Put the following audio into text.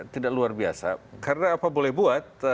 tidak luar biasa karena apa boleh buat